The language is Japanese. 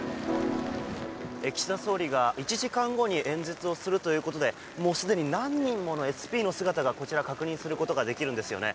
岸田総理が１時間後に演説をするということでもうすでに何人ものＳＰの姿がこちら、確認することができるんですよね。